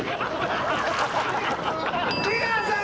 ・出川さん！